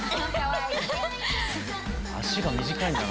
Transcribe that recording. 脚が短いんだな。